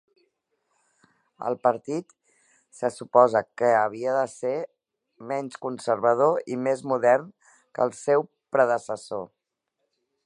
El partit se suposa que havia de ser menys conservador i més modern que el seu predecessor.